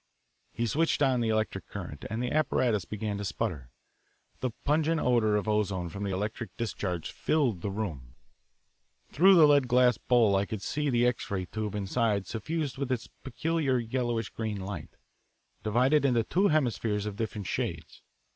He switched on the electric current, and the apparatus began to sputter. The pungent odour of ozone from the electric discharge filled the room. Through the lead glass bowl I could see the X ray tube inside suffused with its peculiar, yellowish green light, divided into two hemispheres of different shades.